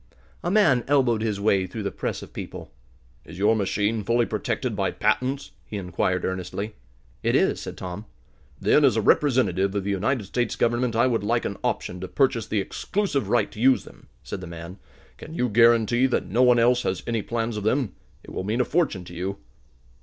A man elbowed his way through the press of people. "Is your machine fully protected by patents?" he inquired earnestly. "It is," said Tom. "Then, as a representative of the United States Government, I would like an option to purchase the exclusive right to use them," said the man. "Can you guarantee that no one else has any plans of them? It will mean a fortune to you."